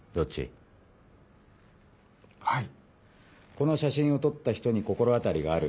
この写真を撮った人に心当たりがある？